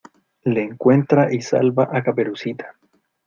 le encuentra y salva a Caperucita.